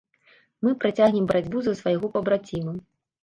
Мы працягнем барацьбу за свайго пабраціма.